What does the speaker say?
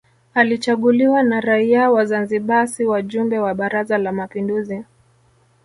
Alichaguliwa na raia wa Zanzibar si wajumbe wa Baraza la Mapinduzi